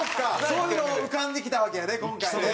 そういうの浮かんできたわけやね今回ね。